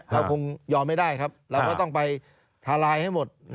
เราคงยอมไม่ได้ครับเราก็ต้องไปทาลายให้หมด